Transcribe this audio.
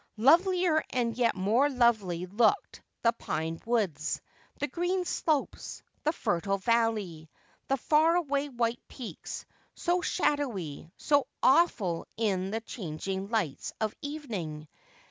Lovelier and yet more lovely looked the pine woods, the green slopes, the fertile valley, the far away white peaks, so shadowy, so awful in the changing lights of evening.